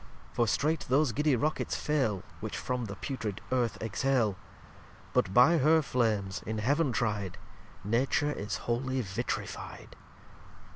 For streight those giddy Rockets fail, Which from the putrid Earth exhale, But by her Flames, in Heaven try'd, Nature is wholly vitrifi'd.